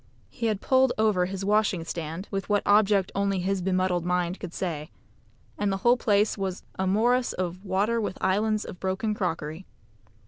He had pulled over his washing stand (with what object only his bemuddled mind could say), and the whole place was a morass of water with islands of broken crockery.